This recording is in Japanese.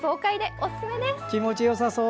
気持ちよさそう！